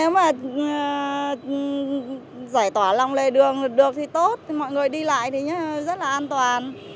mọi người đi lại thì rất là an toàn